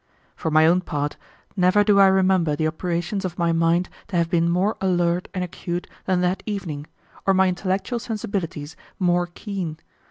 For my own part, never do I remember the operations of my mind to have been more alert and acute than that evening, or my intellectual sensibilities more keen.